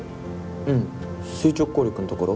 うん垂直抗力のところ？